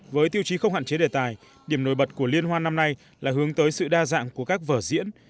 với tiêu chí không hạn chế đề tài điểm nổi bật của liên hoan năm nay là hướng tới sự đa dạng của các vở diễn